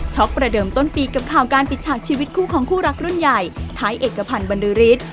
ประเดิมต้นปีกับข่าวการปิดฉากชีวิตคู่ของคู่รักรุ่นใหญ่ท้ายเอกพันธ์บรรลือฤทธิ์